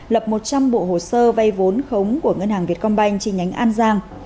lập một trăm linh bộ hồ sơ vay vốn khống của ngân hàng việt công banh trên nhánh an giang